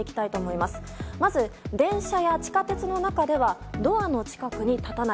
まず、電車や地下鉄の中ではドアの近くに立たない。